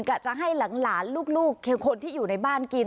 จะให้หลานลูกคนที่อยู่ในบ้านกิน